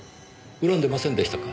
恨んでませんでしたか？